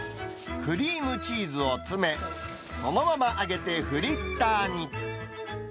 クリームチーズを詰め、そのまま揚げてフリッターに。